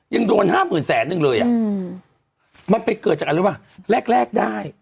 ยังโดนห้าหมื่นแสนนึงเลยอ่ะมันไปเกิดจากอะไรรู้ป่ะแรกได้